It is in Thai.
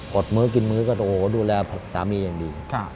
กดมือกินก็ดูแลสามีอย่างดี